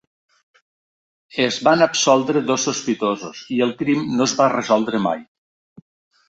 Es van absoldre dos sospitosos, i el crim no es va resoldre mai.